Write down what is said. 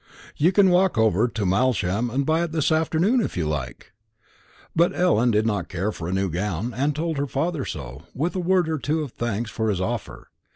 "You can walk over to Malsham and buy it any afternoon you like." But Ellen did not care for a new gown, and told her father so, with a word or two of thanks for his offer.